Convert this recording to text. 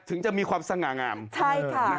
ถึงจะมีความสง่างามใช่ค่ะ